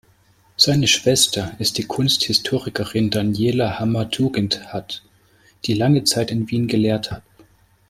Seine Schwester ist die Kunsthistorikerin Daniela Hammer-Tugendhat, die lange Zeit in Wien gelehrt hat.